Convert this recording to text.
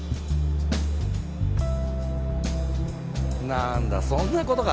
何だそんなことか。